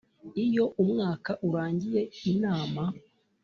Iyo umwaka urangiye Inama